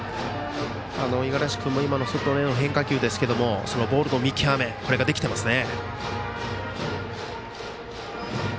五十嵐君も今の外への変化球ですがボールの見極めができていますね。